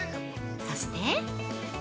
そして◆